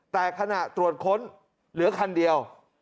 แต่ขณะตรวจค้นเหลือคันเดียว